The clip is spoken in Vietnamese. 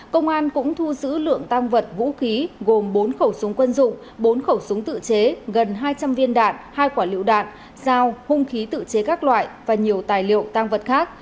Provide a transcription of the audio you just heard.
công an cũng thu giữ lượng tăng vật vũ khí gồm bốn khẩu súng quân dụng bốn khẩu súng tự chế gần hai trăm linh viên đạn hai quả lựu đạn dao hung khí tự chế các loại và nhiều tài liệu tăng vật khác